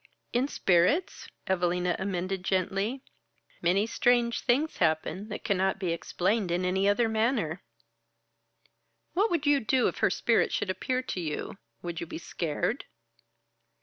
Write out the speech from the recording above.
"In spirits?" Evalina amended gently. "Many strange things happen that cannot be explained in any other manner." "What would you do if her spirit should appear to you? Would you be scared?"